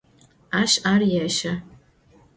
Aş ar yêşe.